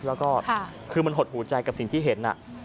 แล้วก็คือมันหดหูใจกับสิ่งที่เห็น